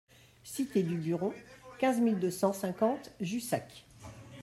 Cité du Buron, quinze mille deux cent cinquante Jussac